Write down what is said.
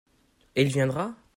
Et il viendra ?